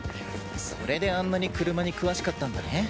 それであんなに車に詳しかったんだね。